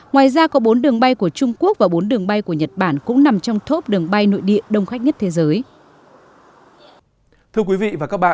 ngoài ra có bốn đường bay của trung quốc và bốn đường bay của nhật bản cũng nằm trong top đường bay nội địa đông khách nhất thế giới